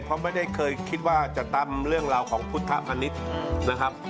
เพราะไม่ได้เคยคิดว่าจะตามเรื่องราวของพุทธมณิษฐ์นะครับ